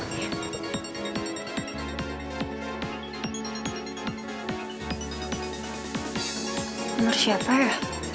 nomor siapa ya